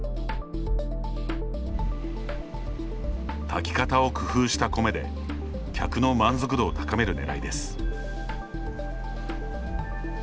炊き方を工夫した米で客の満足度を高める狙いです。